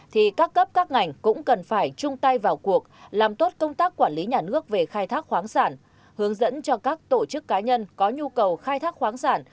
thì các cấp các ngành cũng cần phải chung tay vào cuộc làm tốt công tác quản lý nhà nước về khai thác khoáng sản hướng dẫn cho các tổ chức cá nhân có nhu cầu khai thác khoáng sản